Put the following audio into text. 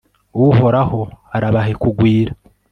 uhoraho arabahe kugwira